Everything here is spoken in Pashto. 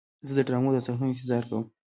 زه د ډرامو د صحنو انتظار کوم.